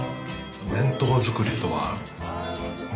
お弁当作りとは。